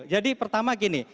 jadi pertama gini